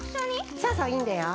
そうそういいんだよ。